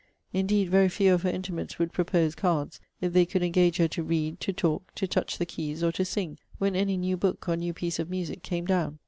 Indeed very few of her intimates would propose cards, if they could engage her to read, to talk, to touch the keys, or to sing, when any new book, or new piece of music, came down.